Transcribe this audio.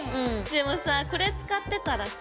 でもさこれ使ってたらさ。